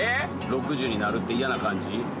６０になるって嫌な感じ？